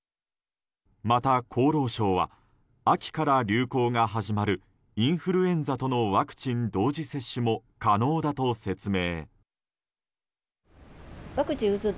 また、厚労省は秋から流行が始まるインフルエンザとのワクチン同時接種も可能だと説明。